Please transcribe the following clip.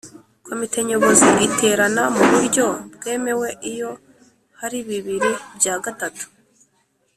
Komite Nyobozi iterana mu buryo bwemewe iyo hari bibiri bya gatatu